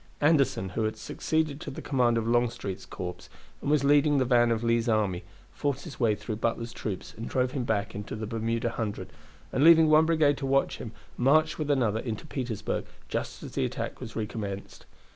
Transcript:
Anderson, who had succeeded to the command of Longstreet's corps, and was leading the van of Lee's army, forced his way through Butler's troops and drove him back into the Bermuda Hundred, and leaving one brigade to watch him marched with another into Petersburg just as the attack was recommenced.